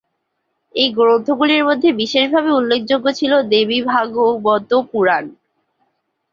এই গ্রন্থগুলির মধ্যে বিশেষভাবে উল্লেখযোগ্য ছিল "দেবীভাগবত পুরাণ"।